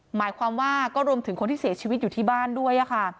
หมายความว่าก็รวมถึงคนที่เสียชีวิตอยู่ที่บ้านด้วยค่ะ